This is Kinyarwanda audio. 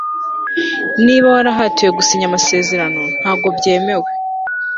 niba warahatiwe gusinya amasezerano, ntabwo byemewe